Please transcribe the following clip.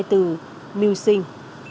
từ nưu sinh